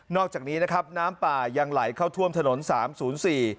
อกจากนี้นะครับน้ำป่ายังไหลเข้าท่วมถนนสามศูนย์สี่